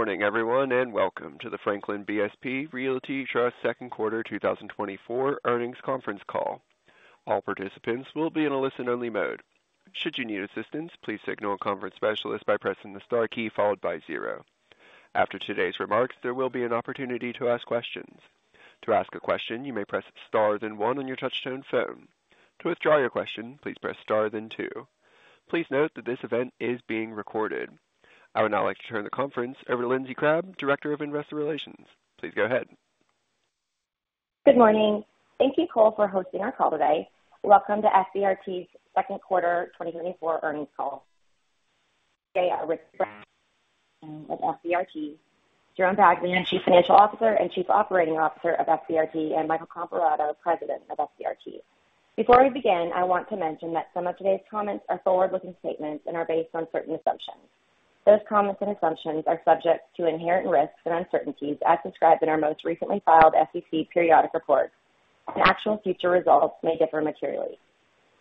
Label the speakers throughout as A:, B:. A: Good morning everyone and welcome to the Franklin BSP Realty Trust second quarter 2024 earnings conference call. All participants will be in a listen only mode. Should you need assistance, please signal a conference specialist by pressing the star key followed by zero. After today's remarks, there will be an opportunity to ask questions. To ask a question, you may press star then one on your touchtone phone. To withdraw your question, please press star then two. Please note that this event is being recorded. I would now like to turn the conference over to Lindsey Crabbe, Director of Investor Relations. Please go ahead.
B: Good morning. Thank you, Cole for hosting our call today. Welcome to FBRT's second quarter 2024 earnings call. Jerry Baglien, Chief Financial Officer and Chief Operating Officer of FBRT and Michael Comparato, President of FBRT. Before we begin, I want to mention that some of today's comments are forward looking statements and are based on certain assumptions. Those comments and assumptions are subject to inherent risks and uncertainties as described in our most recently filed SEC periodic report. Actual future results may differ materially.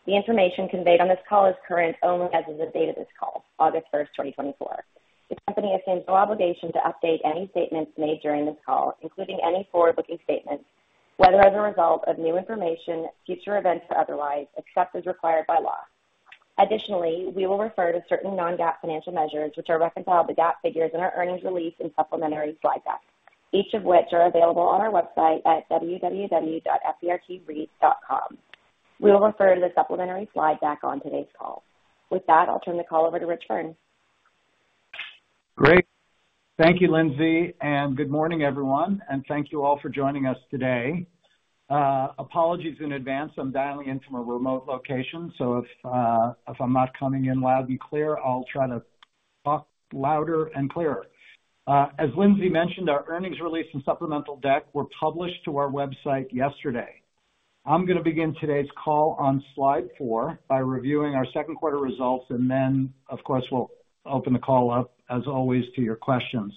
B: The information conveyed on this call is current only as of the date of this call, August 1st, 2024. The Company assumes no obligation to update any statements made during this call, including any forward looking statements, including whether as a result of new information, future events or otherwise, except as required by law. Additionally, we will refer to certain non-GAAP financial measures which are reconciled to GAAP figures in our earnings release and supplementary slide decks, each of which are available on our website at www.fbrtreads.com. We will refer to the supplementary slide deck on today's call. With that, I'll turn the call over to Rich Byrne.
C: Great. Thank you, Lindsey, and good morning everyone and thank you all for joining us today. Apologies in advance. I'm dialing in from a remote location, so if I'm not coming in loud and clear, I'll try to talk louder and clearer. As Lindsey mentioned, our earnings release and supplemental deck were published to our website yesterday. I'm going to begin today's call on Slide 4 by reviewing our second quarter results and then of course we'll open the call up, as always, to your questions.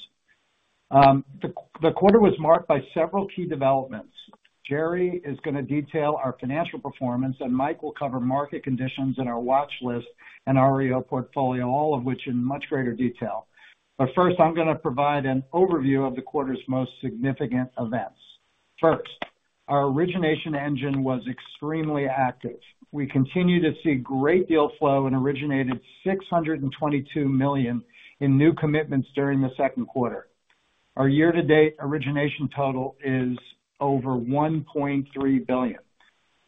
C: The quarter was marked by several key developments. Jerry is going to detail our financial performance and Mike will cover market conditions in our watch list and REO portfolio, all of which in much greater detail. But first I'm going to provide an overview of the quarter's most significant events. First, our origination engine was extremely active. We continue to see great deal flow and originated $622 million in new commitments during the second quarter. Our year to date origination total is over $1.3 billion.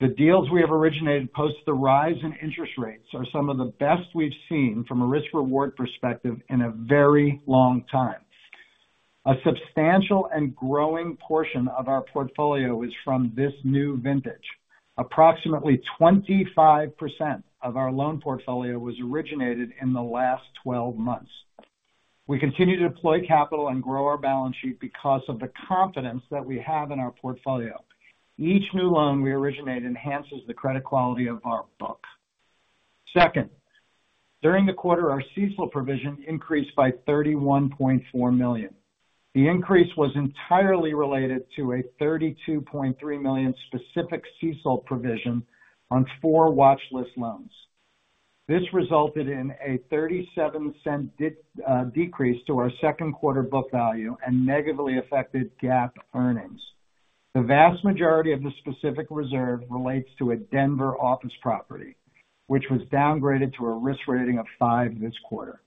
C: The deals we have originated post the rise in interest rates are some of the best we've seen from a risk reward perspective in a very long time. A substantial and growing portion of our portfolio is from this new vintage. Approximately 25% of our loan portfolio was originated in the last 12 months. We continue to deploy capital and grow our balance sheet because of the confidence that we have in our portfolio. Each new loan we originate enhances the credit quality of our book. Second, during the quarter our CECL provision increased by $31.4 million. The increase was entirely related to a $32.3 million specific CECL provision on four watch list loans. This resulted in a $0.37 decrease to our second quarter book value and negatively affected GAAP earnings. The vast majority of the specific reserve relates to a Denver office property which was downgraded to a risk rating of 5 this quarter.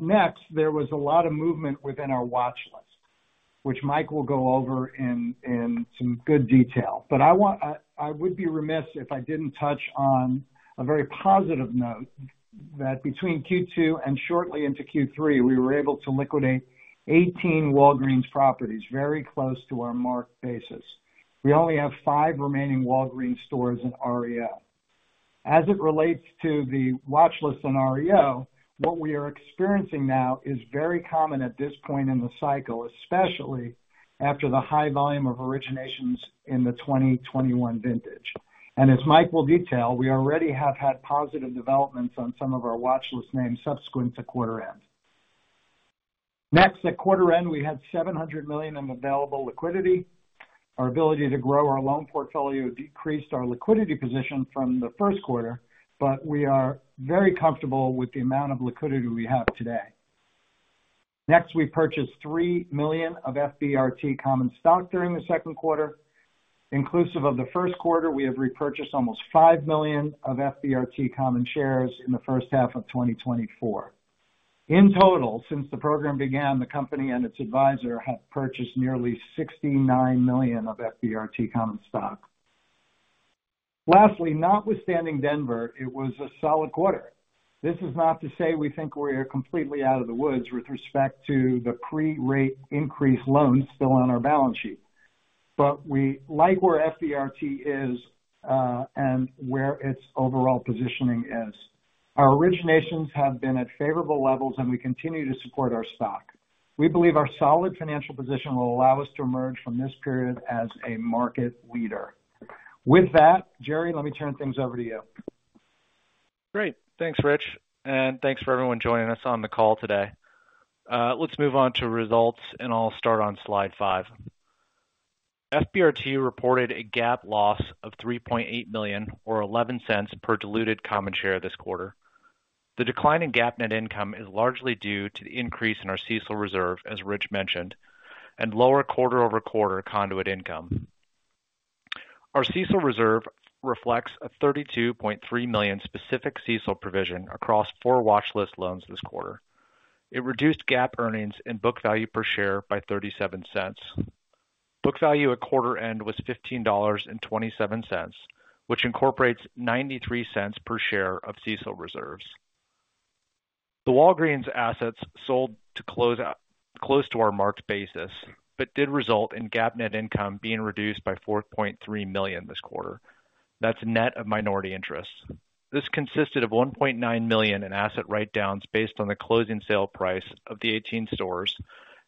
C: Next, there was a lot of movement within our watch list which Mike will go over in some good detail, but I would be remiss if I didn't touch on a very positive note that between Q2 and shortly into Q3 we were able to liquidate 18 Walgreens properties very close to our marked basis. We only have 5 remaining Walgreens stores in REO. As it relates to the watch list in REO. What we are experiencing now is very common at this point in the cycle, especially after the high volume of originations in the 2021 vintage. And as Mike will detail, we already have had positive developments on some of our watch list names subsequent to quarter-end. Next, at quarter-end we had $700 million in available liquidity. Our ability to grow our loan portfolio decreased our liquidity position from the first quarter, but we are very comfortable with the amount of liquidity we have today. Next, we purchased $3 million of FBRT common stock during the second quarter inclusive of the first quarter. We have repurchased almost $5 million of FBRT common shares in the first half of 2024. In total, since the program began, the company and its advisor had purchased nearly $69 million of FBRT common stock. Lastly, notwithstanding Denver, it was a solid quarter. This is not to say we think we are completely out of the woods with respect to the pre-rate increase loans still on our balance sheet. But we like where FBRT is and where its overall positioning is. Our originations have been at favorable levels and we continue to support our stock. We believe our solid financial position will allow us to emerge from this period as a market leader. With that Jerry, let me turn things over to you.
D: Great. Thanks Rich, and thanks for everyone joining us on the call today. Let's move on to results and I'll start on slide five. FBRT reported a GAAP loss of $3.8 million or $0.11 per diluted common share this quarter. The decline in GAAP net income is largely due to the increase in our CECL reserve as Rich mentioned, and lower quarter-over-quarter Conduit income. Our CECL reserve reflects a $32.3 million specific CECL provision across four watch list loans this quarter. It reduced GAAP earnings and book value per share by $0.37. Book value at quarter end was $15.27 which incorporates $0.93 per share of CECL reserves. The Walgreens assets sold to close out close to our marked basis but did result in GAAP net income being reduced by $4.3 million this quarter. That's net of minority interest. This consisted of $1.9 million in asset write downs based on the closing sale price of the 18 stores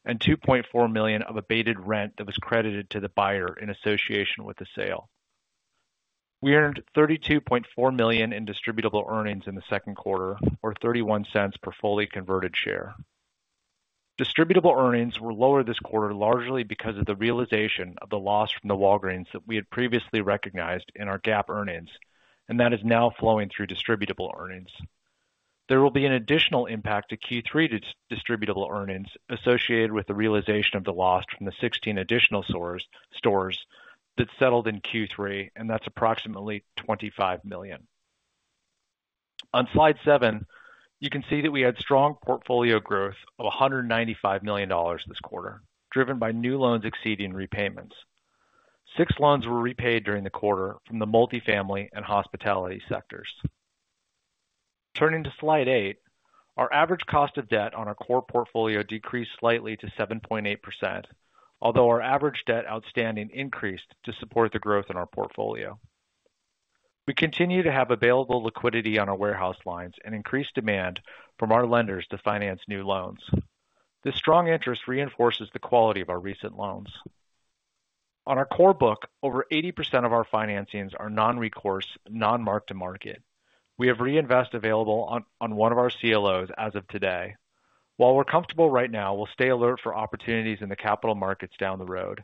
D: and $2.4 million of abated rent that was credited to the buyer in association with the sale. We earned $32.4 million in distributable earnings in the second quarter or $0.31 per fully converted share. Distributable earnings were lower this quarter largely because of the realization of the loss from the Walgreens that we had previously recognized in our GAAP earnings and that is now flowing through distributable earnings. There will be an additional impact to Q3 distributable earnings associated with the realization of the loss from the 16 additional stores that settled in Q3 and that's approximately $25 million. On slide seven, you can see that we had strong portfolio growth of $195 million this quarter driven by new loans exceeding repayments. Six loans were repaid during the quarter from the multifamily and hospitality sectors. Turning to slide eight, our average cost of debt on our core portfolio decreased slightly to 7.8%. Although our average debt outstanding increased to support the growth in our portfolio, we continue to have available liquidity on our warehouse lines and increased demand from our lenders to finance new loans. This strong interest reinforces the quality of our recent loans on our core book. Over 80% of our financings are non recourse, non mark to market. We have reinvest available on one of our CLOs as of today. While we're comfortable right now, we'll stay alert for opportunities in the capital markets down the road.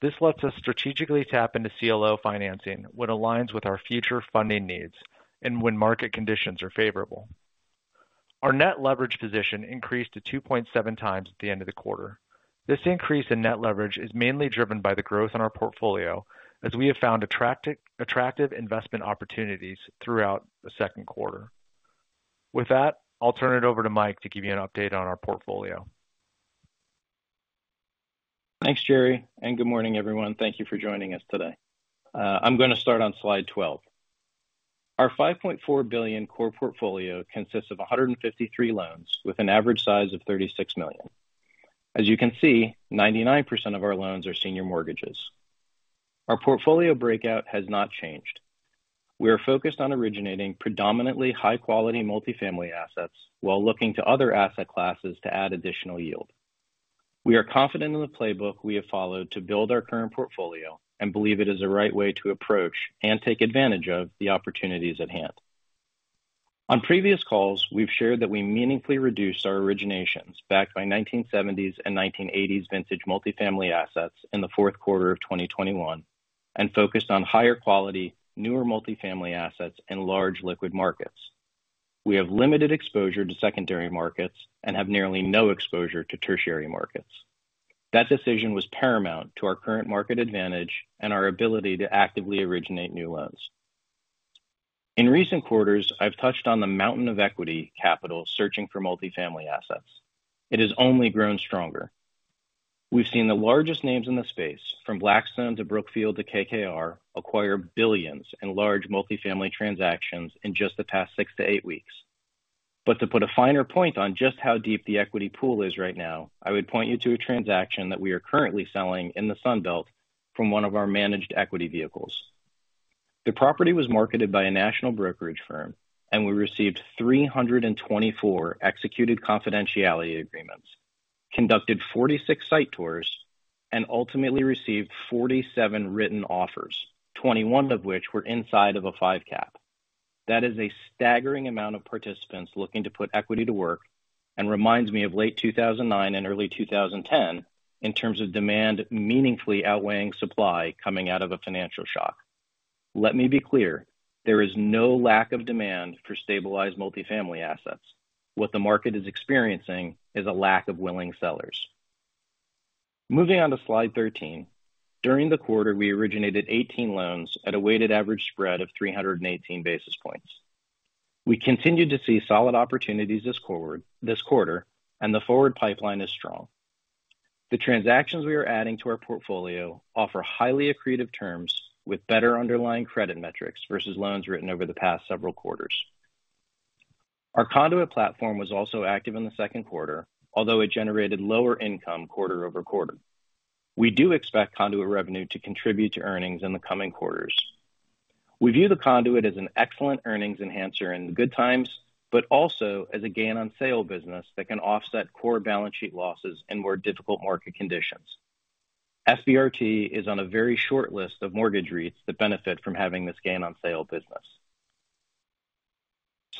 D: This lets us strategically tap into CLO financing when aligns with our future funding needs and when market conditions are favorable. Our net leverage position increased to 2.7x at the end of the quarter. This increase in net leverage is mainly driven by the growth in our portfolio as we have found attractive investment opportunities throughout the second quarter. With that, I'll turn it over to Mike to give you an update on our portfolio.
E: Thanks, Jerry, and good morning, everyone. Thank you for joining us today. I'm going to start on slide 12. Our $5.4 billion core portfolio consists of 153 loans with an average size of $36 million. As you can see, 99% of our loans are senior mortgages. Our portfolio breakout has not changed. We are focused on originating predominantly high-quality multifamily assets while looking to other asset classes to add additional yield. We are confident in the playbook we have followed to build our current portfolio and believe it is the right way to approach and take advantage of the opportunities at hand. On previous calls, we've shared that we meaningfully reduced our originations backed by 1970s and 1980s vintage multifamily assets in the fourth quarter of 2021 and focused on higher-quality newer multifamily assets in large liquid markets. We have limited exposure to secondary markets and have nearly no exposure to tertiary markets. That decision was paramount to our current market advantage and our ability to actively originate new loans. In recent quarters, I've touched on the mountain of equity capital searching for multifamily assets. It has only grown stronger. We've seen the largest names in the space, from Blackstone to Brookfield to KKR, acquire billions in large multifamily transactions in just the past six to eight weeks. But to put a finer point on just how deep the equity pool is right now, I would point you to a transaction that we are currently selling in the Sun Belt from one of our managed equity vehicles. The property was marketed by a national brokerage firm and we received 324 executed confidentiality agreements, conducted 46 site tours and ultimately received 47 written offers, 21 of which were inside of a five cap. That is a staggering amount of participants looking to put equity to work and reminds me of late 2009 and early 2010 in terms of demand meaningfully outweighing supply coming out of a financial shock. Let me be clear. There is no lack of demand for stabilized multifamily assets. What the market is experiencing is a lack of willing sellers. Moving on to Slide 13, during the quarter we originated 18 loans at a weighted average spread of 318 basis points. We continue to see solid opportunities this quarter and the forward pipeline is strong. The transactions we are adding to our portfolio offer highly accretive terms with better underlying credit metrics versus loans written over the past several quarters. Our Conduit platform was also active in the second quarter, although it generated lower income quarter-over-quarter. We do expect Conduit revenue to contribute to earnings in the coming quarters. We view the Conduit as an excellent earnings enhancer in good times, but also as a gain on sale business that can offset core balance sheet losses and more difficult market conditions. FBRT is on a very short list of mortgage REITs that benefit from having this gain on sale business.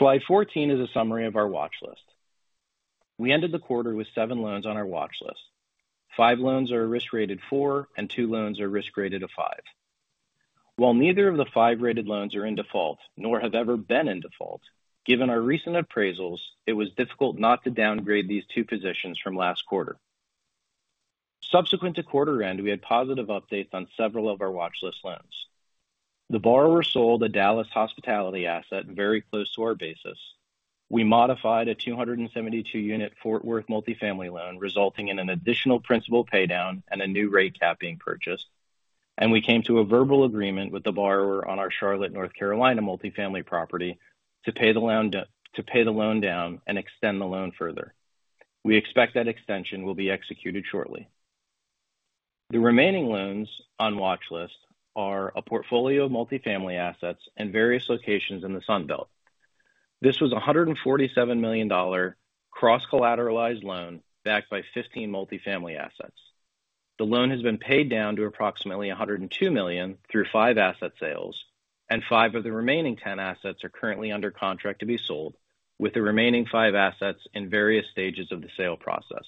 E: Slide 14 is a summary of our watch list. We ended the quarter with seven loans. On our watch list, five loans are a risk rated 4 and two loans are risk rated a five. While neither of the five rated loans are in default nor have ever been in default, given our recent appraisals, it was difficult not to downgrade these two positions from last quarter. Subsequent to quarter end we had positive updates on several of our watch list loans. The borrower sold a Dallas hospitality asset very close to our basis. We modified a 272-unit Fort Worth multifamily loan resulting in an additional principal pay down and a new rate cap being purchased and we came to a verbal agreement with the borrower on our Charlotte, North Carolina multifamily property to pay the loan to pay the loan down and extend the loan further. We expect that extension will be executed shortly. The remaining loans on watch list are a portfolio of multifamily assets and various locations in the Sun Belt. This was $147 million cross-collateralized loan backed by 15 multifamily assets. The loan has been paid down to approximately $102 million through five asset sales and five of the remaining 10 assets are currently under contract to be sold with the remaining five assets in various stages of the sale process.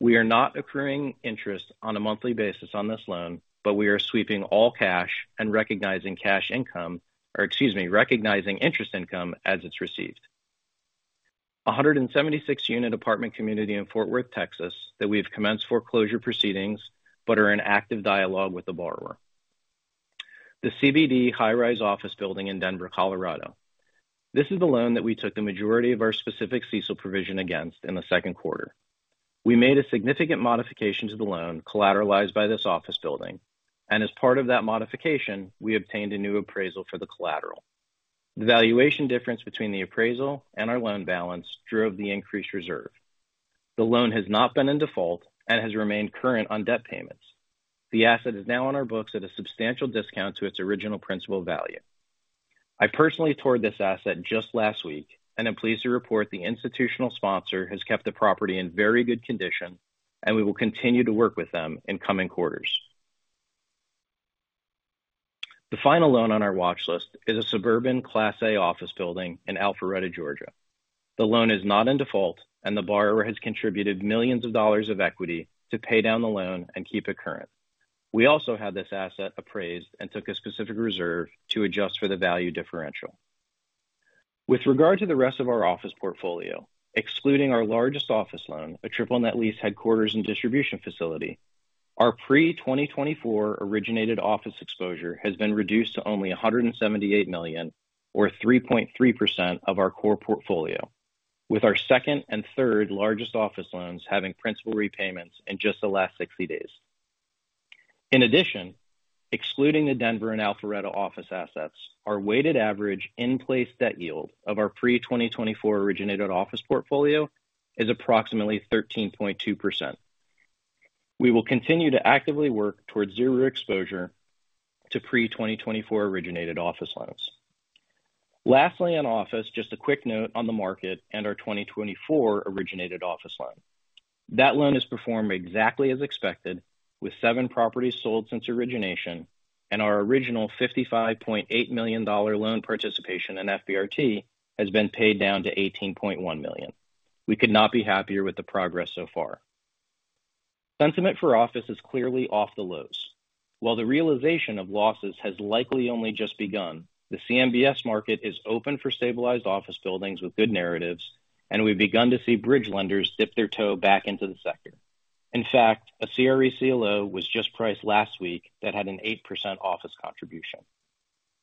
E: We are not accruing interest on a monthly basis on this loan, but we are sweeping all cash and recognizing cash income or excuse me, recognizing interest income as it's received. A 176-unit apartment community in Fort Worth, Texas, that we have commenced foreclosure proceedings but are in active dialogue with the borrower. The CBD high-rise office building in Denver, Colorado. This is the loan that we took the majority of our specific CECL provision against. In the second quarter we made a significant modification to the loan collateralized by this office building and as part of that modification we obtained a new appraisal for the collateral. The valuation difference between the appraisal and our loan balance drove the increased reserve. The loan has not been in default and has remained current on debt payments. The asset is now on our books at a substantial discount to its original principal value. I personally toured this asset just last week and I'm pleased to report the institutional sponsor has kept the property in very good condition and we will continue to work with them in coming quarters. The final loan on our watch list is a suburban Class A office building in Alpharetta, Georgia. The loan is not in default and the borrower has contributed millions of dollars of equity to pay down the loan and keep it current. We also had this asset appraised and took a specific reserve to adjust for the value differential. With regard to the rest of our office portfolio, excluding our largest office loan, a triple net lease, headquarters and distribution facility, our pre-2024 originated office exposure has been reduced to only $178 million or 3.3% of our core portfolio with our second and third largest office loans having principal repayments in just the last 60 days. In addition, excluding the Denver and Alpharetta office assets, our weighted average in place debt yield of our pre-2024 originated office portfolio is approximately 13.2%. We will continue to actively work towards zero exposure to pre-2024 originated office loans. Lastly, on office. Just a quick note on the market and our 2024 originated office loan. That loan has performed exactly as expected with 7 properties sold since origination and our original $55.8 million loan participation in FBRT has been paid down to $18.1 million. We could not be happier with the progress so far. Sentiment for office is clearly off the lows while the realization of losses has likely only just begun. The CMBS market is open for stabilized office buildings with good narratives and we've begun to see bridge lenders dip their toe back into the sector. In fact, a CRE CLO was just priced last week that had an 8% office contribution.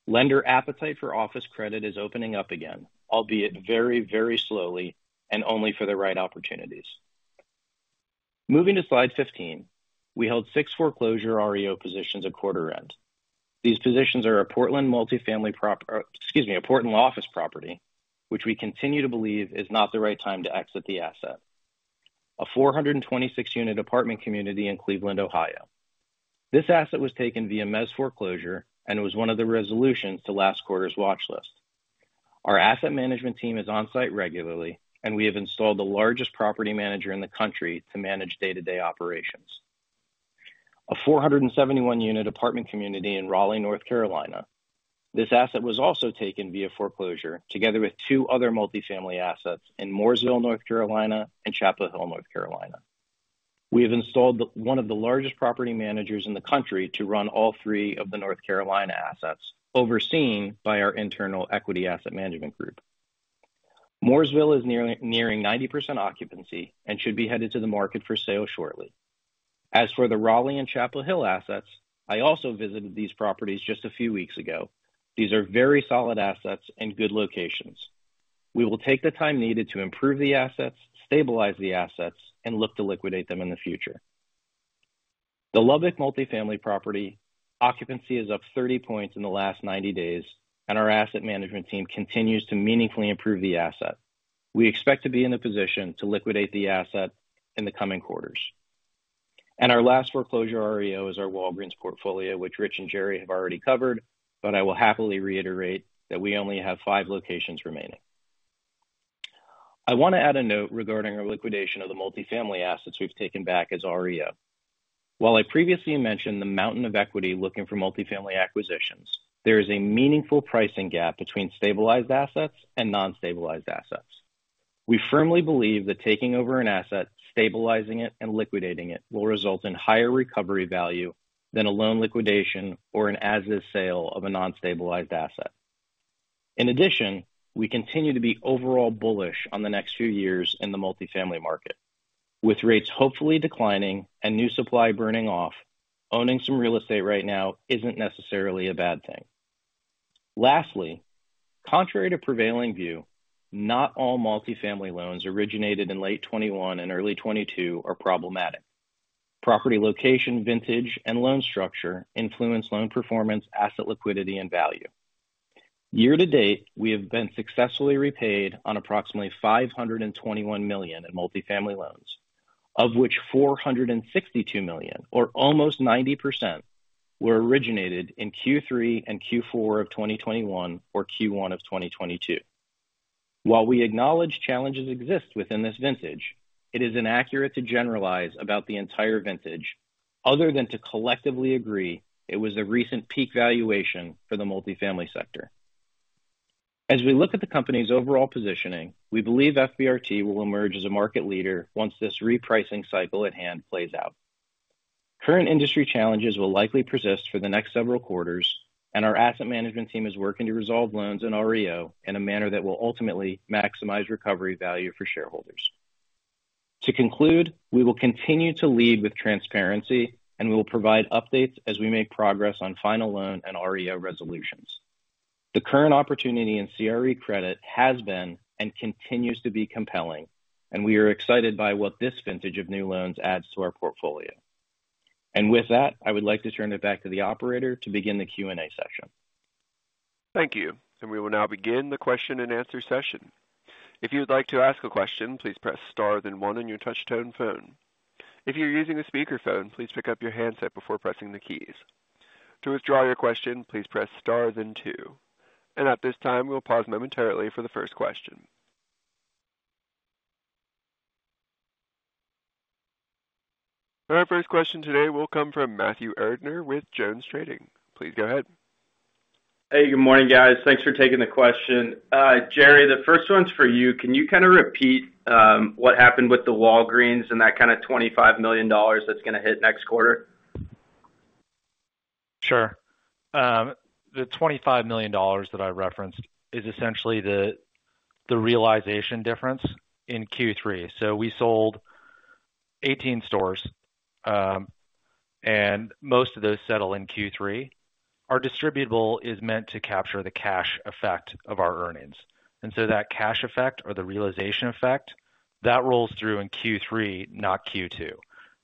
E: Lender appetite for office credit is opening up again, albeit very, very slowly and only for the right opportunities. Moving to Slide 15 we held 6 foreclosure REO positions at quarter end. These positions are a Portland multifamily property. Excuse me, a Portland office property which we continue to believe is not the right time to exit the asset. A 426-unit apartment community in Cleveland, Ohio. This asset was taken via mezz foreclosure and was one of the resolutions to last quarter's watch list. Our asset management team is on site regularly and we have installed the largest property manager in the country to manage day-to-day operations, a 471-unit apartment community in Raleigh, North Carolina. This asset was also taken via foreclosure together with two other multifamily assets in Mooresville, North Carolina, and Chapel Hill, North Carolina. We have installed one of the largest property managers in the country to run all three of the North Carolina assets overseen by our internal equity asset management group. Mooresville is nearly nearing 90% occupancy and should be headed to the market for sale shortly. As for the Raleigh and Chapel Hill assets, I also visited these properties just a few weeks ago. These are very solid assets and good locations. We will take the time needed to improve the assets, stabilize the assets and look to liquidate them in the future. The Lubbock multifamily property occupancy is up 30 points in the last 90 days and our asset management team continues to meaningfully improve the asset. We expect to be in a position to liquidate the asset in the coming quarters and our last foreclosure REO is our Walgreens portfolio which Rich and Jerry have already covered, but I will happily reiterate that we only have five locations remaining. I want to add a note regarding our liquidation of the multifamily assets we've taken back as REO. While I previously mentioned the mountain of equity looking for multifamily acquisitions, there is a meaningful pricing gap between stabilized assets and non stabilized assets. We firmly believe that taking over an asset, stabilizing it and liquidating it will result in higher recovery value than a loan liquidation or an as is sale of a non stabilized asset. In addition, we continue to be overall bullish on the next few years in the multifamily market. With rates hopefully declining and new supply burning off, owning some real estate right now isn't necessarily a bad thing. Lastly contrary to prevailing, view not all multifamily loans originated in late 2021 and early 2022 are problematic. Property location, vintage and loan structure influence loan performance, asset liquidity and value. Year to date, we have been successfully repaid on approximately $521 million in multifamily loans, of which $462 million or almost 90% were originated in Q3 and Q4 of 2021 or Q1 of 2022. While we acknowledge challenges exist within this vintage, it is inaccurate to generalize about the entire vintage other than to collectively agree it was a recent peak valuation for the multifamily sector. As we look at the company's overall positioning, we believe FBRT will emerge as a market leader once this repricing cycle at hand plays out. Current industry challenges will likely persist for the next several quarters, and our asset management team is working to resolve loans in REO in a manner that will ultimately maximize recovery value for shareholders. To conclude, we will continue to lead with transparency and we will provide updates as we make progress on final loan and REO resolutions. The current opportunity in CRE credit has been and continues to be compelling, and we are excited by what this vintage of new loans adds to our portfolio. With that, I would like to turn it back to the operator to begin the Q and A session.
A: Thank you. We will now begin the question and answer session. If you would like to ask a question, please press Star then one on your touchtone phone. If you're using a speakerphone, please pick up your handset before pressing the keys. To withdraw your question, please press star then two. At this time, we'll pause momentarily for the first question. Our first question today will come from Matthew Erdner with JonesTrading. Please go ahead.
F: Hey, good morning, guys. Thanks for taking the question. Jerry, the first one's for you. Can you kind of repeat what happened with the Walgreens and that kind of $25 million that's going to hit next quarter?
D: Sure. The $25 million that I referenced is essentially the realization difference in Q3. So we sold 18 stores and most of those settle in Q3. Our distributable is meant to capture the cash effect of our earnings. And so that cash effect or the realization effect that rolls through in Q3, not Q2.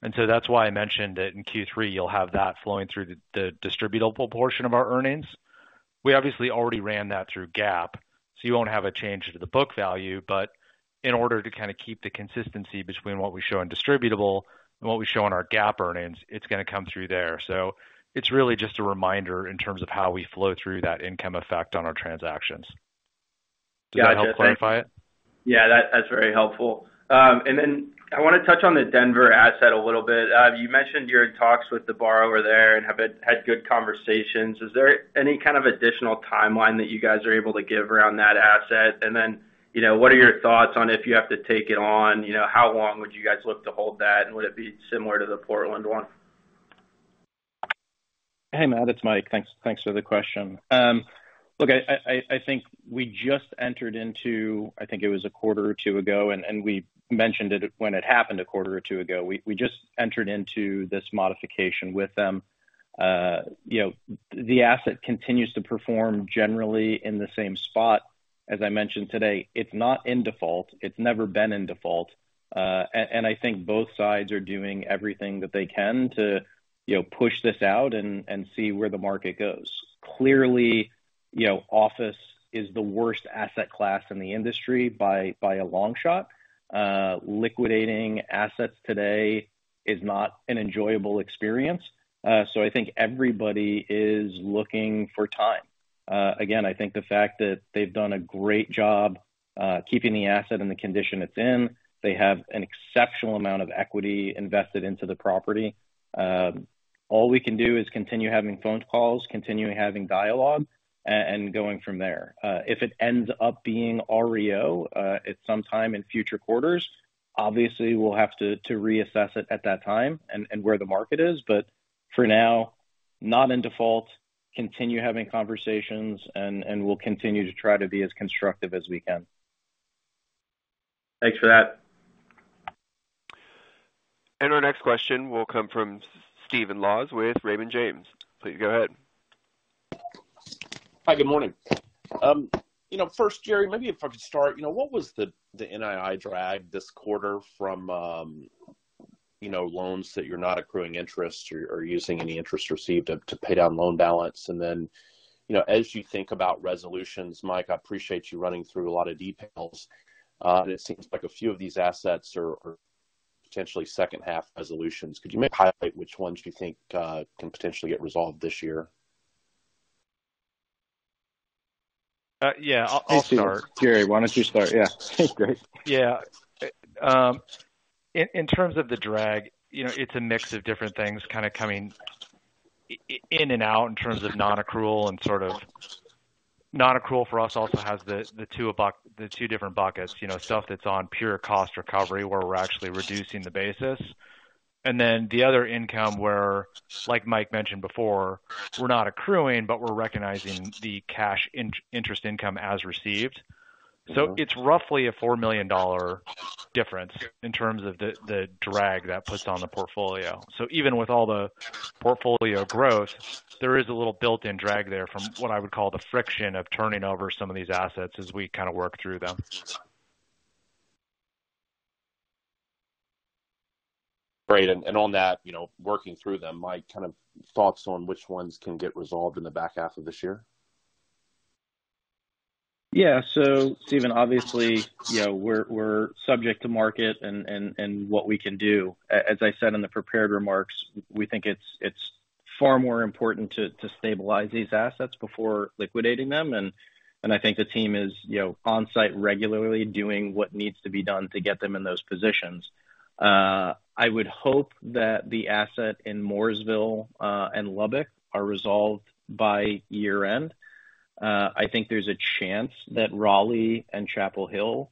D: And so that's why I mentioned that in Q3 you'll have that flowing through the distributable portion of our earnings. We obviously already ran that through GAAP, so you won't have a change to the book value. But in order to kind of keep the consistency between what we show in distributable, what we show on our GAAP earnings, it's going to come through there. So it's really just a reminder in terms of how we flow through that income effect on our transactions. Does that help clarify it?
F: Yeah, that's very helpful. And then I want to touch on the Denver asset a little bit. You mentioned you're in talks with the borrower there and have had good conversations. Is there any kind of additional timeline that you guys are able to give around that asset? And then what are your thoughts on if you have to take it, on how long would you guys look to hold that and would it be similar to the Portland one?
E: Hey Matt, it's Mike. Thanks. Thanks for the question. Look, I think we just entered into, I think it was a quarter or two ago and we mentioned it when it happened a quarter or two ago. We just entered into this modification with them. The asset continues to perform generally in the same spot. As I mentioned today, it's not in default, it's never been in default. And I think both sides are doing everything that they can to push this out and see where the market goes. Clearly office is the worst asset class in the industry by a long shot. Liquidating assets today is not an enjoyable experience. So I think everybody is looking for time again. I think the fact that they've done a great job keeping the asset in the condition it's in, they have an exceptional amount of equity invested into the property. All we can do is continue having phone calls, continuing having dialogue and going from there. If it ends up being REO at some time in future quarters, obviously we'll have to reassess it at that time and where the market is. But for now, not in default, continue having conversations and we'll continue to try to be as constructive as we can.
F: Thanks for that.
A: Our next question will come from Stephen Laws with Raymond James. Please go ahead.
G: Hi, good morning. You know, first, Jerry, maybe if I could start. You know, what was the NII drag this quarter from? You know, loans that you're not accruing interest or using any interest received to pay down loan balance. And then, you know, as you think about resolutions, Mike, I appreciate you running through a lot of details. It seems like a few of these assets are potentially second half resolutions. Could you maybe highlight which ones you think can potentially get resolved this year?
D: Yeah, I'll start.
E: Jerry, why don't you start? Yeah.
D: Yeah. In terms of the drag, you know, it's a mix of different things kind of coming in and out in terms of non-accrual and sort of non-accrual for us also has the two different buckets, you know, stuff that's on pure cost recovery where we're actually reducing the basis. And then the other income where like Mike mentioned before, we're not accruing but we're recognizing the cash interest income as received. So it's roughly a $4 million difference in terms of the drag that puts on the portfolio. So even with all the portfolio growth, there is a little built-in drag there from what I would call the friction of turning over some of these assets as we kind of work through them.
G: Great. On that, you know, working through them, my kind of thoughts on which ones can get resolved in the back half of this year.
E: Yeah, so Stephen, obviously, you know, we're subject to market and what we can do. As I said in the prepared remarks, we think it's, it's far more important to stabilize these assets before liquidating them. And I think the team is on site regularly doing what needs to be done to get them in those positions. I would hope that the asset in Mooresville and Lubbock are resolved by year end. I think there's a chance that Raleigh and Chapel Hill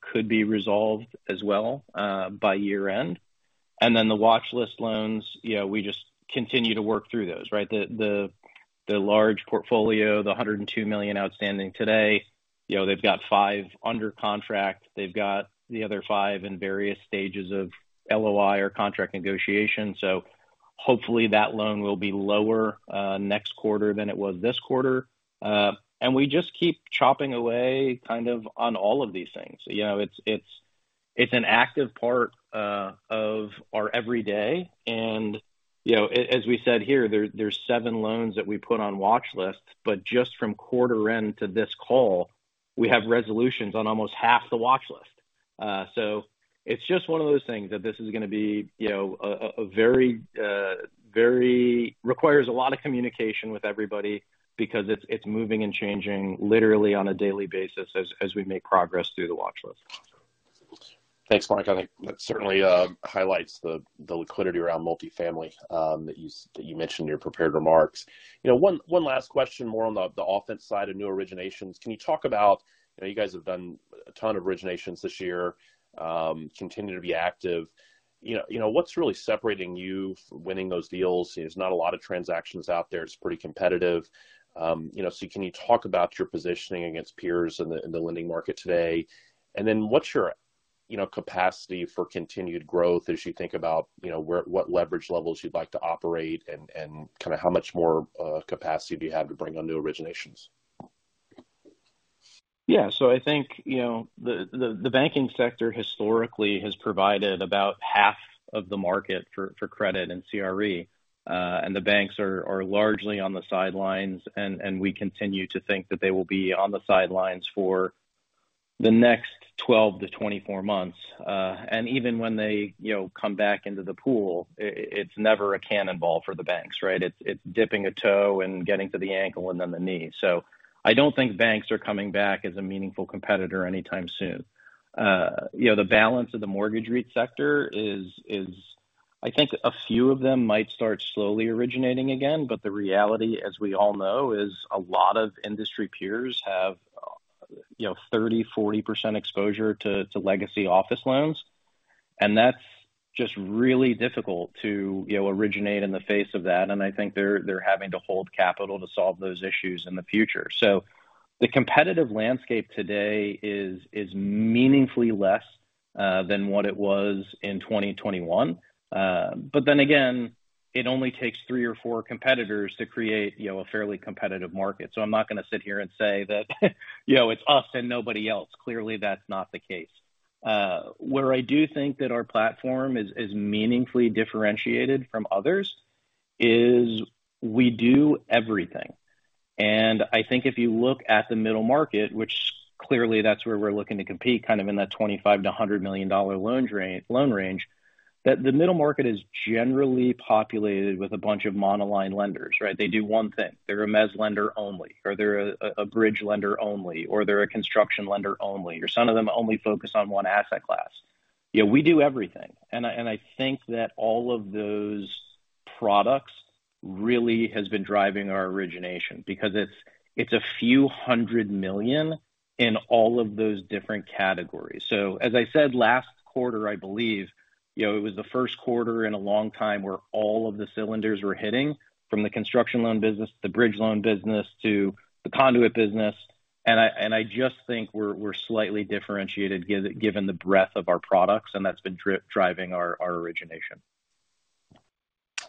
E: could be resolved as well by year end. And then the watch list loans, we just continue to work through those. Right. The large portfolio, the $102 million outstanding today, they've got five under contract, they've got the other five in various stages of LOI or contract negotiation. So hopefully that loan will be lower next quarter than it was this quarter. We just keep chopping away kind of on all of these things. It's an active part of our every day and you know, as we said here, there's seven loans that we put on watch list. But just from quarter end to this call, we have resolutions on almost half the watch list. So it's just one of those things that this is going to be, you know, a very, very - requires a lot of communication with everybody because it's moving and changing literally on a daily basis as we make progress through the watch list.
G: Thanks, I think that certainly highlights the liquidity around multifamily that you mentioned in your prepared remarks. You know, one last question, more on the offense side of new originations. Can you talk about, you guys have done a ton of originations this year, continue to be active, you know, you know, what's really separating you winning those deals? There's not a lot of transactions out there. It's pretty competitive, you know. So can you talk about your positioning against peers in the lending market today? And then what's your capacity for continued growth as you think about what leverage levels you'd like to operate and how much more capacity do you have to bring on new originations?
E: Yeah, so I think the banking sector historically has provided about half of the market for credit and CRE, and the banks are largely on the sidelines. And we continue to think that they will be on the sidelines for the next 12-24 months. And even when they come back into the pool, it's never a cannonball for the banks. Right? It's dipping a toe and getting to the ankle and then the knee. So I don't think banks are coming back as a meaningful competitor anytime soon. The balance of the mortgage REIT sector is, I think, a few of them might start slowly originating again. But the reality, as we all know, is a lot of industry peers have 30%-40% exposure to legacy office loans. And that's just really difficult to originate in the face of that. I think they're having to hold capital to solve those issues in the future. The competitive landscape today is meaningfully less than what it was in 2021. But then again, it only takes three or four competitors to create a fairly competitive market. I'm not going to sit here and say that it's us and nobody else. Clearly that's not the case. Where I do think that our platform is meaningfully differentiated from others is we do everything. I think if you look at the middle market, which clearly that's where we're looking to compete kind of in that $25 million-$100 million loan range, that the middle market is generally populated with a bunch of monoline lenders. Right? They do one thing. They're a mezz lender only or they're a bridge lender only, or they're a construction lender only or some of them only focus on one asset class. We do everything. And I think that all of those products really has been driving our origination because it's a few hundred million in all of those different categories. So as I said last quarter, I believe it was the first quarter in a long time where all of the cylinders were hitting from the construction loan business, the bridge loan business to the Conduit business. And I just think we're slightly differentiated given the breadth of our products. And that's been driving our origination.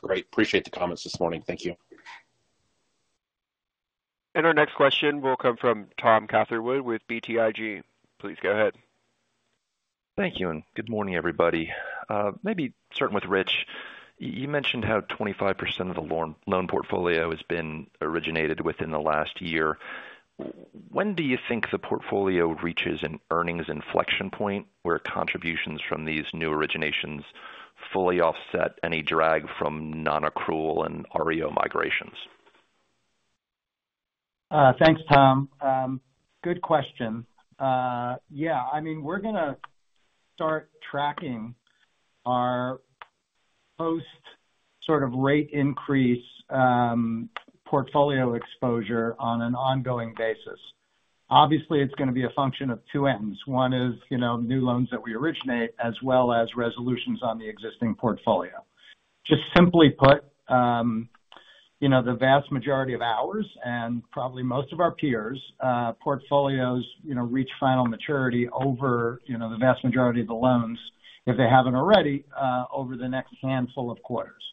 G: Great. Appreciate the comments this morning. Thank you.
A: Our next question will come from Tom Catherwood with BTIG. Please go ahead.
H: Thank you and good morning everybody. Maybe starting with Rich, you mentioned how 25% of the loan portfolio has been originated within the last year. When do you think the portfolio reaches an earnings inflection point where contributions from these new originations fully offset any drag from non-accrual and REO migrations?
C: Thanks, Tom. Good question. Yeah, I mean we're going to start tracking our post sort of rate increase portfolio exposure on an ongoing basis. Obviously it's going to be a function of two ends. One is, you know, new loans that we originate as well as resolutions on the existing portfolio. Just simply put, you know, the vast majority of hours and probably most of our peers' portfolios, you know, reach final maturity over, you know, the vast majority of the loans, if they haven't already over the next handful of quarters,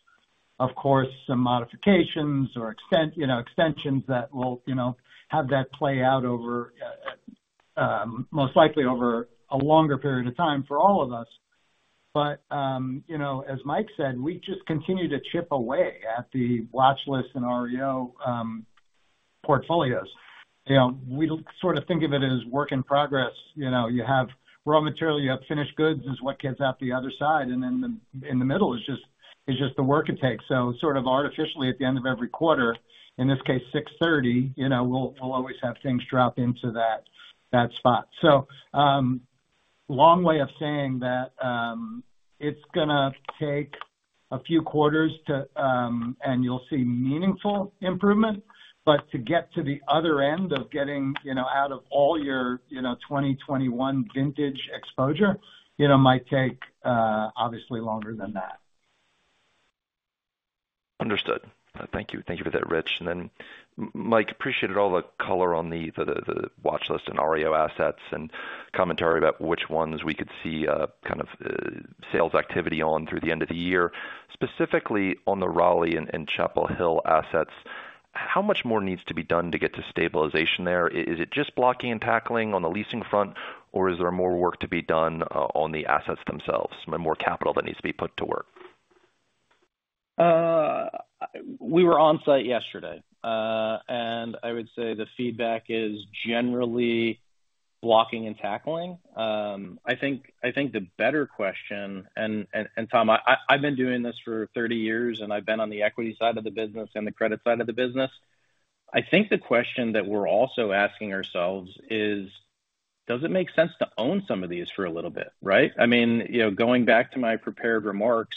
C: of course, some modifications or extensions, you know, extensions that will, you know, have that play out over, most likely over a longer period of time for all of us. But, you know, as Mike said, we just continue to chip away at the watch list and REO portfolios, you know, we sort of think of it as work in progress. You know, you have raw material, you have finished goods is what gets out the other side, and then in the middle is just the work it takes. So sort of artificially at the end of every quarter, in this case 630, you know, we'll always have things drop into that spot. So long way of saying that it's going to take a few quarters and you'll see meaningful improvement. But to get to the other end of getting, you know, out of all your 2021 vintage exposure might take obviously longer than that.
H: Understood, thank you. Thank you for that, Rich. And then Mike appreciated all the color on the watch list and REO assets and commentary about which ones we could see sales activity on through the end of the year, specifically on the Raleigh and Chapel Hill assets. How much more needs to be done to get to stabilization there? Is it just blocking and tackling on the leasing front or is there more work to be done on the assets themselves, more capital that needs to be put to work?
E: We were on site yesterday and I would say the feedback is generally blocking and tackling. I think, I think the better question, and Tom, I've been doing this for 30 years and I've been on the equity side of the business and the credit side of the business. I think the question that we're also asking ourselves is does it make sense to own some of these for a little bit? Right. I mean, going back to my prepared remarks,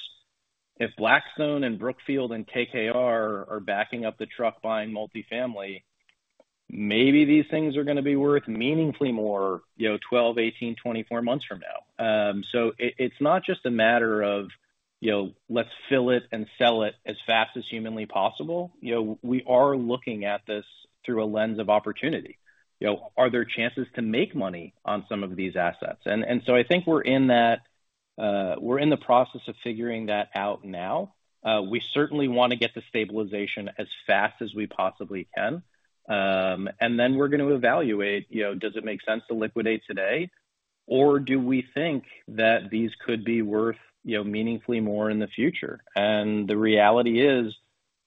E: if Blackstone and Brookfield and KKR are backing up the truck buying multifamily, maybe these things are going to be worth meaningfully more 12, 18, 24 months from now. So it's not just a matter of let's fill it and sell it as fast as humanly possible. We are looking at this through a lens of opportunity. Are there chances to make money on some of these assets? I think we're in the process of figuring that out now. We certainly want to get the stabilization as fast as we possibly can and then we're going to evaluate does it make sense to liquidate today or do we think that these could be worth meaningfully more in the future? And the reality is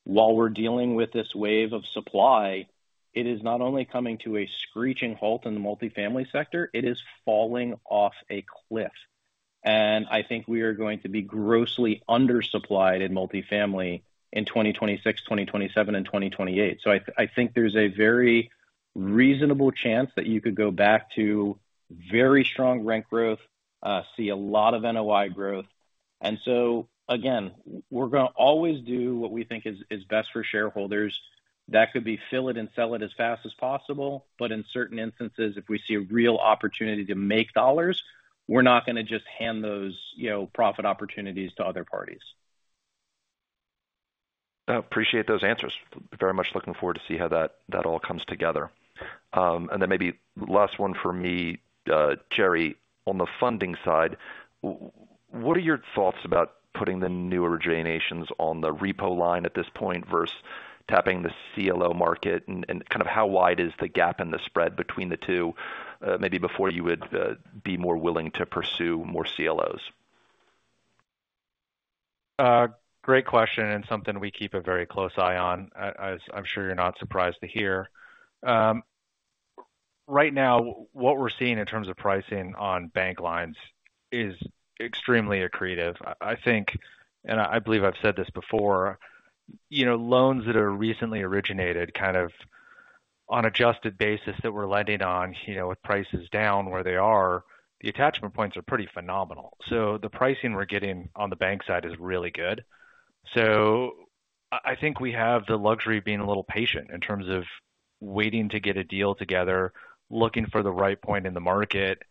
E: while we're dealing with this wave of supply, it is not only coming to a screeching halt in the multifamily sector, it is falling off a cliff. And I think we are going to be grossly undersupplied in multifamily in 2026, 2027 and 2028. So I think there's a very reasonable chance that you could go back to very strong rent growth, see a lot of NOI growth. And so again, we're going to always do what we think is best for shareholders that could be fill it and sell it as fast as possible. But in certain instances, if we see a real opportunity to make dollars, we're not going to just hand those profit opportunities to other parties.
H: Appreciate those answers very much. Looking forward to see how that all comes together. Then maybe last one for me, Jerry, on the funding side, what are your thoughts about putting the new originations on the repo line at this point versus tapping the CLO market and how wide is the gap in the spread between the two? Maybe before you would be more willing to pursue more CLOs.
D: Great question and something we keep a very close eye on, as I'm sure you're not surprised to hear. Right now. What we're seeing in terms of pricing on bank lines is extremely accretive. I think, and I believe I've said this before, loans that are recently originated on adjusted basis that we're lending on with prices down where they are, the attachment points are pretty phenomenal. The pricing we're getting on the bank side is really good. I think we have the luxury of being a little patient in terms of waiting to get a deal together, looking for the right point in the market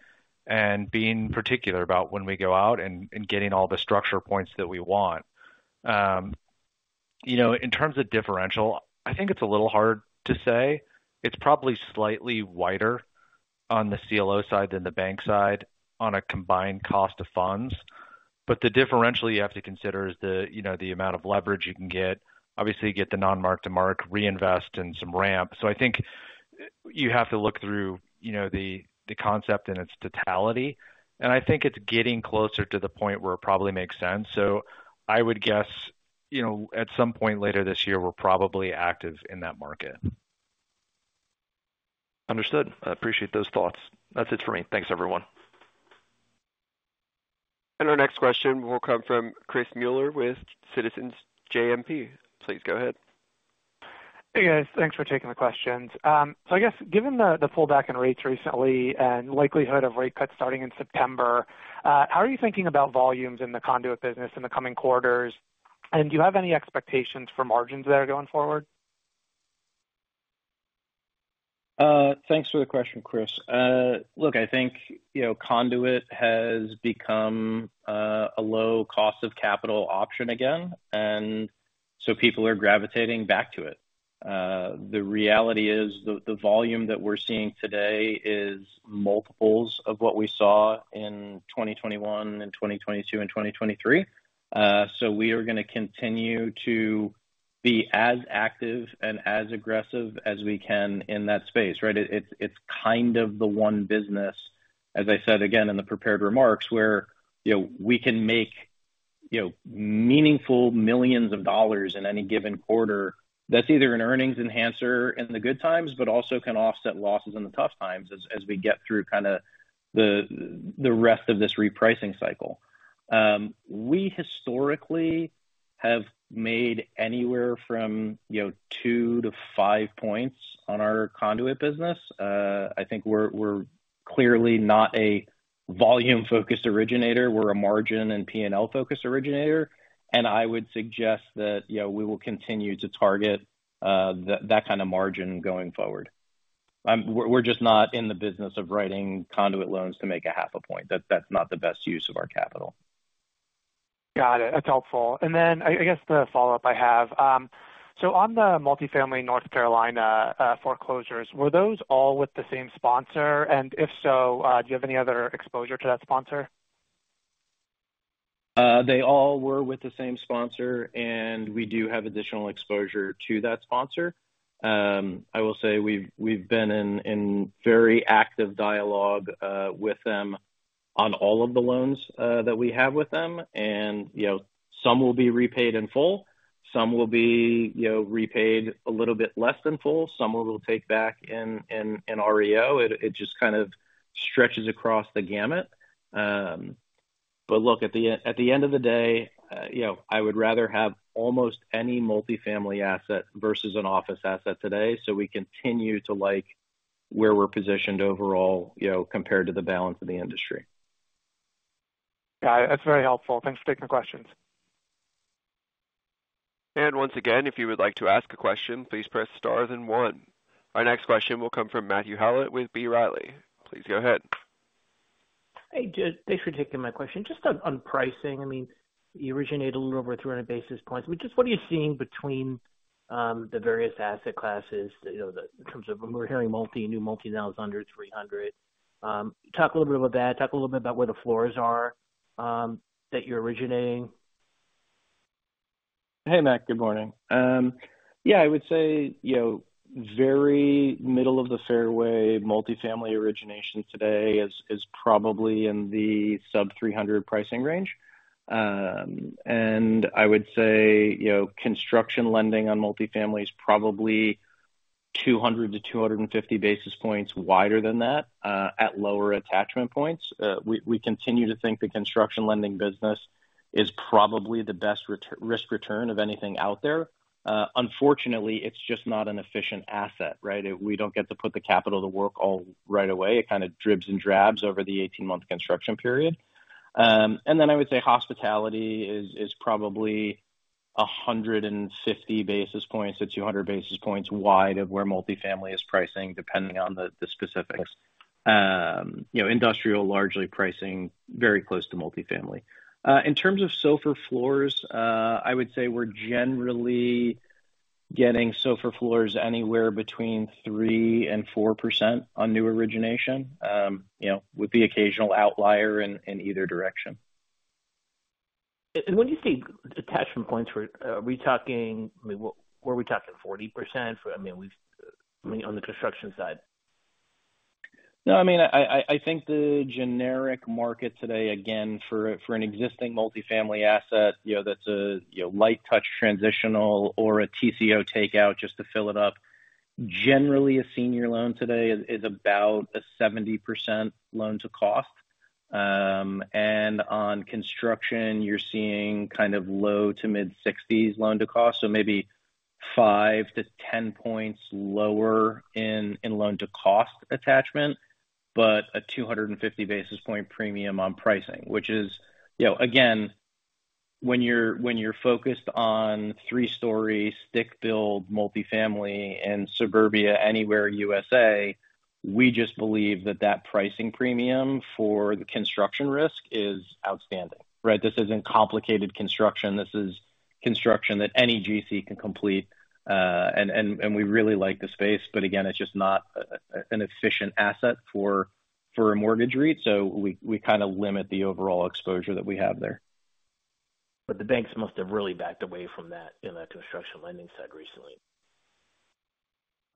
D: and being particular about when we go out and getting all the structure points that we want. In terms of differential, I think it's a little hard to say. It's probably slightly wider on the CLO side than the bank side on a combined cost of funds. But the differential you have to consider is the amount of leverage you can get. Obviously, get the non-mark-to-market reinvest and some ramp. So I think you have to look through the concept and its totality. I think it's getting closer to the point where it probably makes sense. I would guess at some point later this year we're probably active in that market.
H: Understood. Appreciate those thoughts. That's it for me. Thanks everyone.
A: Our next question will come from Chris Muller with Citizens JMP. Please go ahead.
I: Hey guys, thanks for taking the questions. So I guess given the pullback in rates recently and likelihood of rate cuts starting in September, how are you thinking about volumes in the Conduit business in the coming quarters and do you have any expectations for margins there going forward?
E: Thanks for the question, Chris. Look, I think Conduit has become a low cost of capital option again and so people are gravitating back to it. The reality is the volume that we're seeing today is multiples of what we saw in 2021 and 2022 and 2023. So we are going to continue to be as active and as aggressive as we can in that space. Right. It's kind of the one business, as I said again in the prepared remarks, where we can make meaningful millions of dollars in any given quarter. That's either an earnings enhancer in the good times but also can offset losses in the tough times as we get through kind of the rest of this repricing cycle. We historically have made anywhere from 2-5 points on our Conduit business. I think we're clearly not a volume focused originator. We're a margin and P&L focused originator. I would suggest that we will continue to target that kind of margin going forward. We're just not in the business of writing conduit loans to make a half a point. That's not the best use of our capital.
I: Got it. That's helpful. And then I guess the follow up I have so on the multifamily North Carolina foreclosures, were those all with the same sponsor and if so, do you have any other exposure to that sponsor?
E: They all were with the same sponsor and we do have additional exposure to that sponsor. I will say we've been in very active dialogue with them on all of the loans that we have with them. And you know, some will be repaid in full, some will be, you know, repaid a little bit less than full. Some will take back in REO. It just kind of stretches across the gamut. But look at the, at the end of the day, you know, I would rather have almost any multifamily asset versus an office asset today. So we continue to like where we're positioned overall compared to the balance of the industry.
I: That's very helpful. Thanks for taking questions.
A: Once again, if you would like to ask a question, please press star then one. Our next question will come from Matthew Howlett with B. Riley. Please go ahead.
J: Hey, thanks for taking my question. Just on pricing, I mean you originate a little over 300 basis points. Just what are you seeing between the various asset classes in terms of when we're hearing multi, new multi now is under 300. Talk a little bit about that. Talk a little bit about where the. Floors are that you're originating.
E: Hey Matt. Good morning. Yeah, I would say, you know, very middle of the fairway. Multifamily origination today is probably in the sub-300 pricing range. And I would say, you know, construction lending on multifamily is probably 200-250 basis points wider than that at lower attachment points. We continue to think the construction lending business is probably the best risk return of anything out there. Unfortunately it's just not an efficient asset. Right. We don't get to put the capital to work all right away. It kind of dribs and drabs over the 18-month construction period. And then I would say hospitality is probably 150-200 basis points wide of where multifamily is pricing. Depending on the specifics, you know, industrial largely pricing very close to multifamily. In terms of SOFR floors, I would say we're generally getting SOFR floors anywhere between 3% and 4% on new origination, you know, with the occasional outlier in either direction.
J: When you say attachment points, are we talking, were we talking 40%? I mean on the construction side.
E: No, I mean I think the generic market today, again for an existing multifamily asset, you know, that's a light touch transitional or a TCO takeout just to fill it up. Generally a senior loan today is about a 70% loan to cost. And on construction you're seeing kind of low-to mid-60s loan to cost. So maybe 5-10 points lower in loan to cost attachment. But a 250 basis point premium on pricing which is again when you're focused on three-story stick build multifamily in suburbia anywhere, USA we just believe that that pricing premium for the construction risk is outstanding. Right. This isn't complicated construction. This is construction that any GC can complete. And we really like the space. But again it's just not an efficient asset for a mortgage REIT. So we kind of limit the overall exposure that we have there.
J: But the banks must have really backed away from that in that construction lending space recently.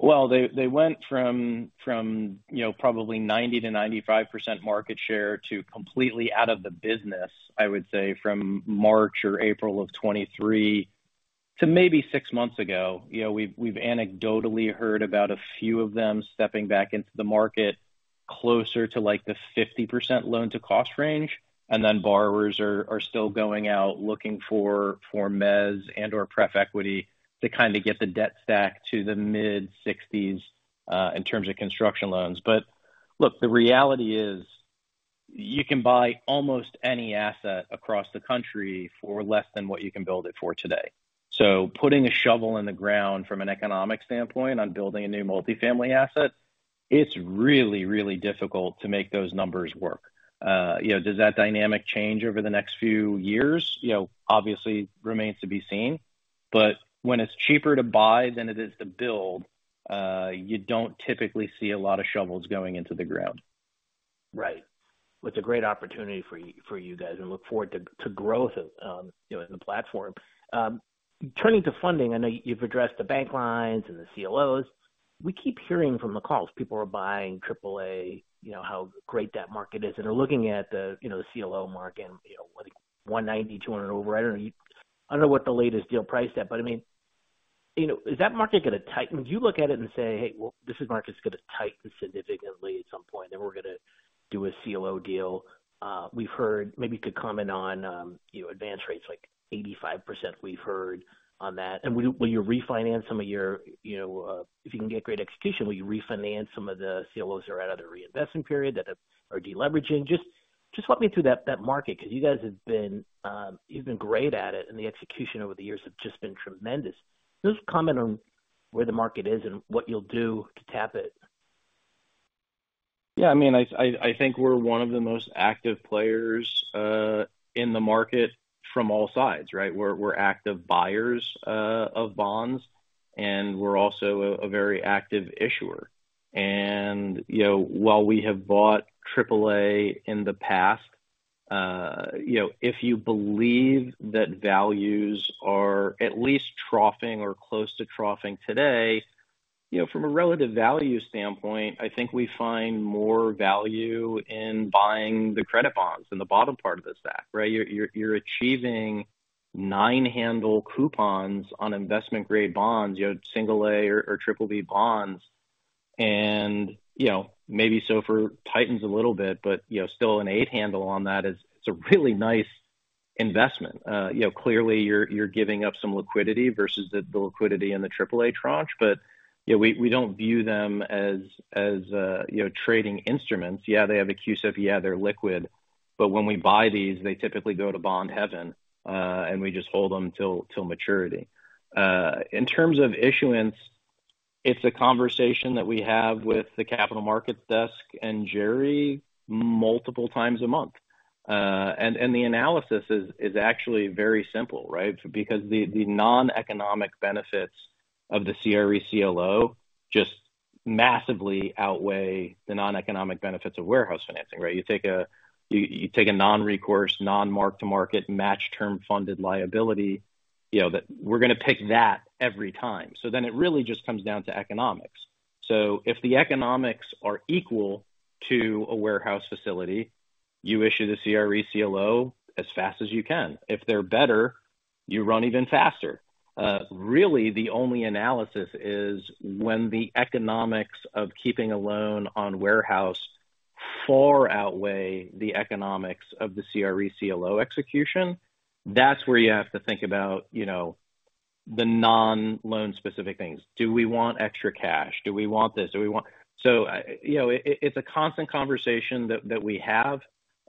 E: Well, they went from probably 90%-95% market share to completely out of the business. I would say from March or April of 2023 to maybe six months ago, we've anecdotally heard about a few of them stepping back into the market closer to the 50% loan to cost range. And then borrowers are still going out looking for mezz and or prep equity to kind of get the debt stack to the mid-60s in terms of construction loans. But look, the reality is you can buy almost any asset across the country for less than what you can build it for today. So putting a shovel in the ground from an economic standpoint on building a new multifamily asset, it's really, really difficult to make those numbers work. Does that dynamic change over the next few years? Obviously remains to be seen, but when it's cheaper to buy than it is to build, you don't typically see a lot of shovels going into the ground.
J: Right. It's a great opportunity for you guys and look forward to growth in the platform. Turning to funding, I know you've addressed the bank lines and the CLOs. We keep hearing from the calls people are buying triple A how great that market is and are looking at the CLO market and you know, 190-200 over. I don't know, I don't know what. The latest deal priced at. But I mean, you know, is that market going to tighten? You look at it and say, hey, well this market's going to tighten significantly at some point. Then we're going to do a CLO deal. We've heard maybe you could comment on, you know, advance rates like 85%. We've heard on that. And will you refinance some of your, you know, if you can get great execution, will you refinance some of the CLOs that are out of the reinvestment period that have or deleveraging. Just walk me through that market because you guys have been, you've been great at it and the execution over the years have just been tremendous. Just comment on where the market is and what you'll do to tap it.
E: Yeah, I mean I think we're one of the most active players in the market from all sides. Right. We're active buyers of bonds and we're also a very active issuer. And while we have bought triple A in the past, if you believe that values are at least troughing or close to troughing today, from a relative value standpoint, I think we find more value in buying the credit bonds in the bottom part of the stack. You're achieving nine handle coupons on investment grade bonds, single A or triple B bonds, and maybe SOFR tightens a little bit but still an eight handle on that. It's a really nice investment. Clearly you're giving up some liquidity versus the liquidity in the triple A tranche. But we don't view them as trading instruments. Yeah, they have a CUSIP. Yeah, they're liquid. But when we buy these, they typically go to bond heaven and we just hold them till maturity. In terms of issuance, it's a conversation that we have with the capital markets desk and Jerry multiple times a month. And the analysis is actually very simple. Right, because the non-economic benefits of the CRE CLOs just massively outweigh the non-economic benefits of warehouse financing. You take a non-recourse, non-mark-to-market matched-term funded liability, you know that we're going to pick that every time. So then it really just comes down to economics. So if the economics are equal to a warehouse facility, you issue the CRE CLO as fast as you can. If they're better, you run even faster. Really the only analysis is when the economics of keeping a loan on warehouse far outweigh the economics of the CRE CLO execution. That's where you have to think about the non-loan specific things. Do we want extra cash? Do we want this? It's a constant conversation that we have.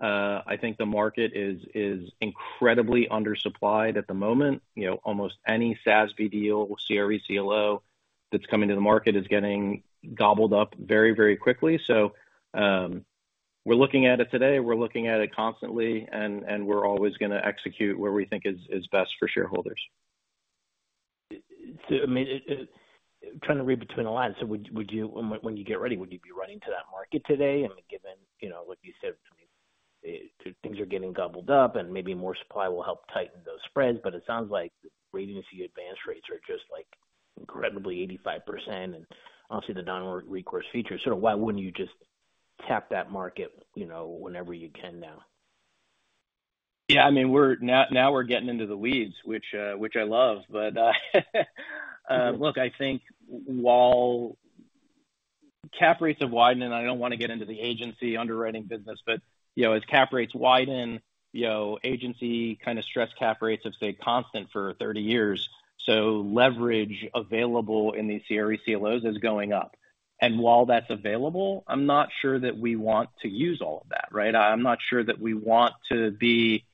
E: I think the market is incredibly undersupplied at the moment. Almost any SASB deal CRE CLO that's coming to the market is getting gobbled up very, very quickly. We're looking at it today, we're looking at it constantly and we're always going to execute where we think is best for shareholders.
J: Trying to read between the lines, when you get ready, would you be running to that market today? And given, you know, like you said, things are getting gobbled up and maybe more supply will help tighten those spreads. But it sounds like agency. Advance rates are just like incredibly 85% and obviously the non-recourse feature sort of. Why wouldn't you just tap that market whenever you can now?
E: Yeah, I mean now we're getting into the weeds, which I love. But look, I think while cap rates have widened and I don't want to get into the agency underwriting business but as cap rates widen, agency kind of stress cap rates do stay constant for 30 years. So leverage available in the CRE CLOs is going up and while that's available, I'm not sure that we want to use all of that. Right. I'm not sure that we want to be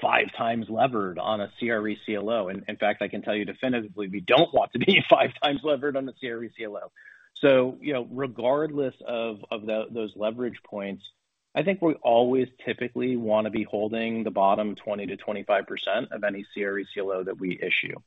E: 5 times levered on a CRE CLO. In fact, I can tell you definitively we don't want to be 5 times levered on the CRE CLO. So regardless of those leverage points, I think we always typically want to be holding the bottom 20%-25% of any CRE CLO that we issue.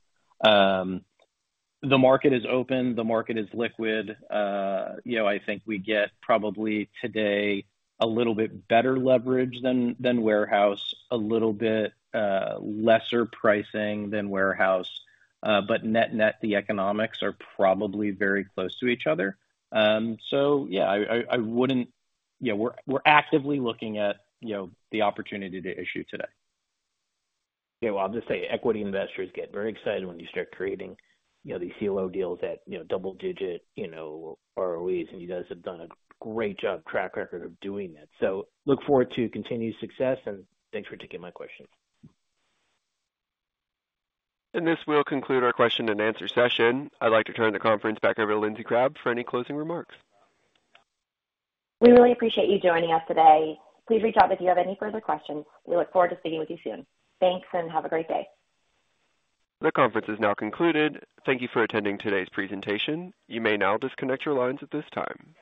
E: The market is open, the market is liquid. You know, I think we get probably today a little bit better leverage than warehouse, a little bit lesser pricing than warehouse. But net net, the economics are probably very close to each other. So yeah, I wouldn't - yeah, we're actively looking at the opportunity to issue today.
J: Well, I'll just say equity investors get very excited when you start creating these CLO deals at double-digit ROEs. And you guys have done a great job track record of doing that. So look forward to continued success. And thanks for taking my questions.
A: This will conclude our question and answer session. I'd like to turn the conference back over to Lindsey Crabbe for any closing remarks.
B: We really appreciate you joining us today. Please reach out if you have any further questions. We look forward to speaking with you soon. Thanks and have a great day.
A: The conference is now concluded. Thank you for attending today's presentation. You may now disconnect your lines at this time.